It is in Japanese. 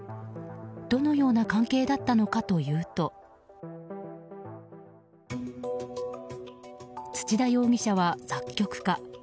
どのような関係だったのかというと土田容疑者は作曲家。